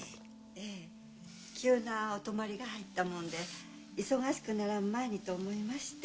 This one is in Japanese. えぇ急なお泊まりが入ったもんで忙しくならん前にと思いまして。